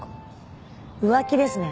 浮気ですね。